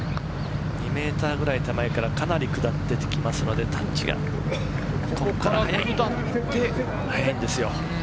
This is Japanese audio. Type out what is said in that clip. ２ｍくらい手前から、かなり下ってきますのでタッチが速いんですよ。